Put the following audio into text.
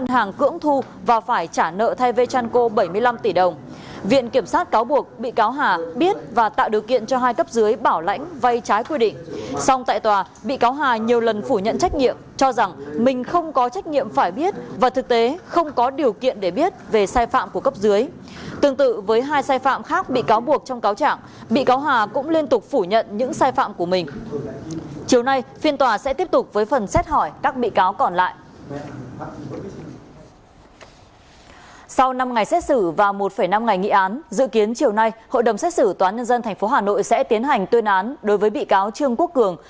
hội đồng xét xử toán nhân dân tp hà nội sẽ tiến hành tuyên án đối với bị cáo trương quốc cường